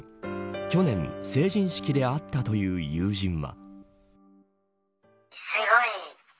去年、成人式で会ったという友人は。